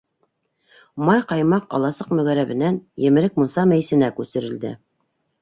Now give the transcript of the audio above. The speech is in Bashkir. Май-ҡаймаҡ аласыҡ мөгәрәбенән емерек мунса мейесенә күсерелде.